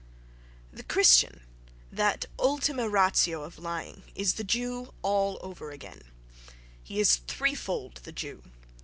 The Christian, that ultima ratio of lying, is the Jew all over again—he is threefold the Jew....